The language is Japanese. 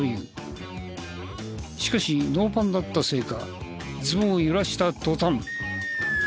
しかしノーパンだったせいかズボンを揺らした途端。